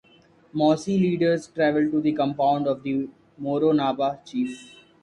Mossi leaders travel to the compound of the Moro-Naba chief.